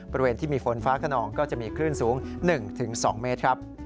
บริเวณที่มีฝนฟ้าขนองก็จะมีคลื่นสูง๑๒เมตรครับ